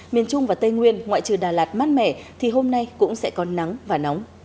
miền trung và tây nguyên ngoại trừ đà lạt mát mẻ thì hôm nay cũng sẽ có nắng và nóng